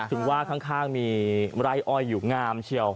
ถึงว่าข้างมีไร่อ้อยอยู่งามเชียว